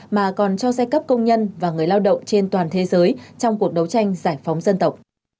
mà còn cho giai cấp công nhân và người lao động trên toàn thế giới trong cuộc đấu tranh giải phóng dân tộc